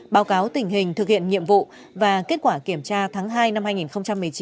báo cáo tình hình thực hiện nhiệm vụ và kết quả kiểm tra tháng hai năm hai nghìn một mươi chín